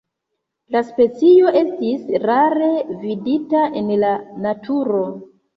La specio estis rare vidita en la naturo.